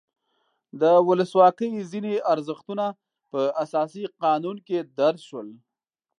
د ولسواکۍ ځینې ارزښتونه په اساسي قانون کې درج شول.